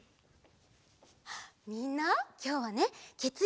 みんなきょうはねげつ